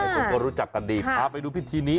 ทุกคนรู้จักกันดีไปดูพิธีนี้